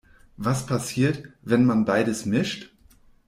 Was passiert, wenn man beides mischt?